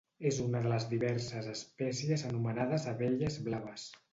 És una de les diverses espècies anomenades abelles blaves.